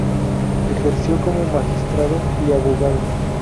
Ejerció como magistrado y abogado.